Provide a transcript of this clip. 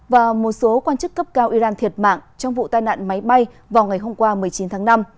và một số quan chức cấp cao iran thiệt mạng trong vụ tai nạn máy bay vào ngày hôm qua một mươi chín tháng năm